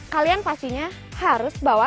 kalian pastinya harus bawa